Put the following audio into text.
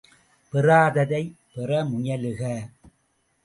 பெறாததைப் பெற முயலுக!